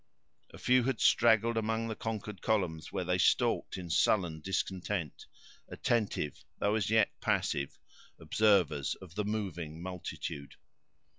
A few had straggled among the conquered columns, where they stalked in sullen discontent; attentive, though, as yet, passive observers of the moving multitude.